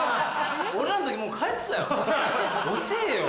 俺らの時もう帰ってたよ遅ぇよ。